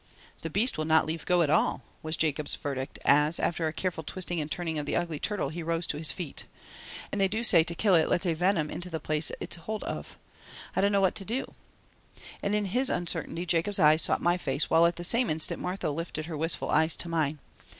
"The beast will not leave go at all," was Jacob's verdict as after a careful twisting and turning of the ugly turtle he rose to his feet. "And they do say to kill it lets a venom into the place it is holt of. I dunno what to do." And in his uncertainty Jacob's eyes sought my face while at the same instant Martha lifted her wistful eyes to mine.